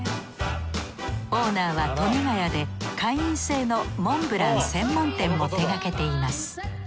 オーナーは富ヶ谷で会員制のモンブラン専門店も手がけています。